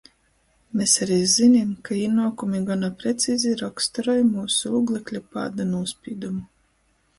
Mes ari zynim, ka īnuokumi gona precizi roksturoj myusu ūglekļa pāda nūspīdumu.